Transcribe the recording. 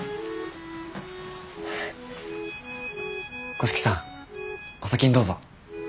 五色さんお先にどうぞ。